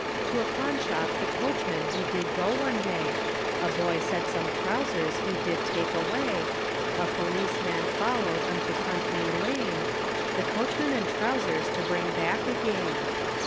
To a pawn shop the coachman he did go one day, A boy said some trowsers he did take away, A policeman followed unto Putney Lane, The coachman and trowsers to bring back again.